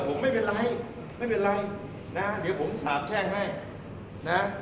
ผมไม่เป็นไรไม่เป็นไรนะเดี๋ยวผมสาบแช่งให้นะ